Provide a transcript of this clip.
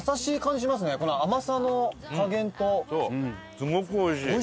すごくおいしい！